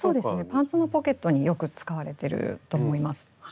パンツのポケットによく使われてると思います。